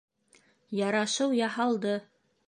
Ярашыу яһалды.